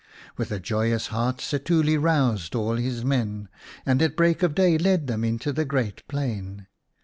With a joyous heart Setuli roused all his men, and at break of day led them into the great plain.